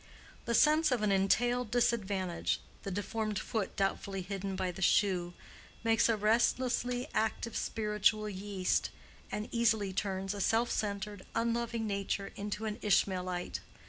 The sense of an entailed disadvantage—the deformed foot doubtfully hidden by the shoe, makes a restlessly active spiritual yeast, and easily turns a self centered, unloving nature into an Ishmaelite.